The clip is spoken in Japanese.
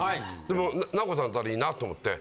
でもナオコさんとならいいなと思って。